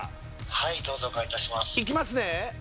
☎はいどうぞお伺いいたしますいきますね